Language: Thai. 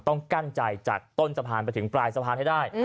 ต้องกั้นใจจากต้นสะพานไปถึงปลายสะพานให้ได้